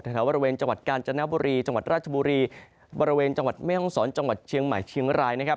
แถวบริเวณจังหวัดกาญจนบุรีจังหวัดราชบุรีบริเวณจังหวัดแม่ห้องศรจังหวัดเชียงใหม่เชียงรายนะครับ